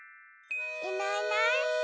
いないいない。